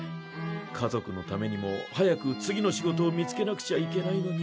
家族のためにも早く次の仕事を見つけなくちゃいけないのに。